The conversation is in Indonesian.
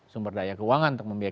sumber daya keuangan untuk membiarkan